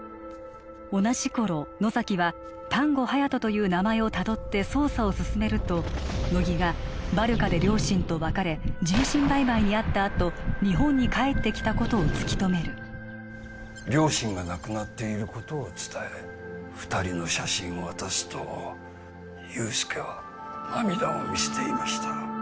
同じ頃野崎は丹後隼人という名前をたどって捜査を進めると乃木がバルカで両親と別れ人身売買にあったあと日本に帰ってきたことを突き止める両親が亡くなっていることを伝え二人の写真を渡すと憂助は涙を見せていました